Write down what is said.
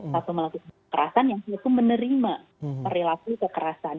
satu melakukan kekerasan yang satu menerima perilaku kekerasan